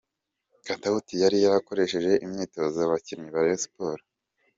Katauti yari yakoresheje imyitozo abakinnyi ba Rayon Sports